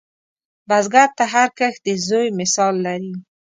بزګر ته هر کښت د زوی مثال لري